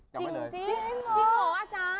จริงหรอจาร์